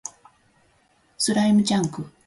スライムチャンク